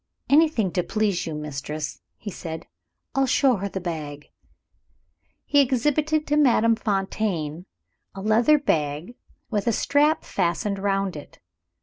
"Anything to please you, Mistress," he said. "I'll show her the bag." He exhibited to Madame Fontaine a leather bag, with a strap fastened round it.